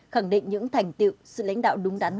khẳng định những thành tiệu sự lãnh đạo đúng đắn